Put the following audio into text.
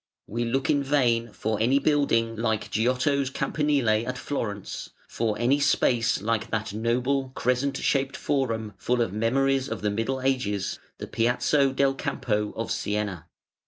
We look in vain for any building like Giotto's Campanile at Florence, for any space like that noble, crescent shaped Forum, full of memories of the Middle Ages, the Piazzo del Campo of Siena.